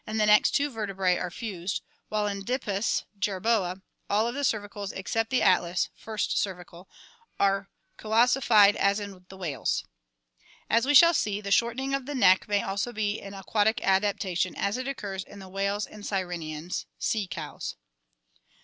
the axis (2d cervical) and next two vertebrae are fused, while in Dipus (jerboa) all of the cervicals except the atlas (1st cervical) are coossified as in the whales. As we shall see, the shortening of the neck may be also an aquatic adaptation, as it occurs in the whales and sirenians (sea cows).